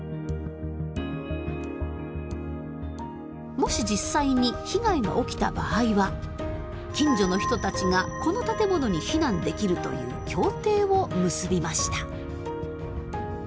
もし実際に被害が起きた場合は近所の人たちがこの建物に避難できるという協定を結びました。